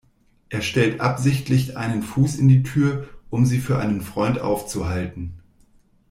Er stellt absichtlich einen Fuß in die Tür, um sie für einen Freund aufzuhalten.